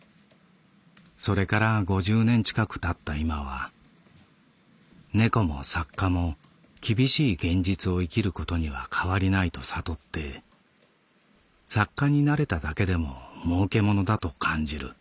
それから五十年近く経ったいまは猫も作家も厳しい現実を生きることにはかわりないと悟って作家になれただけでも儲けものだと感じる」。